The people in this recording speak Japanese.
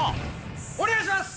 お願いします。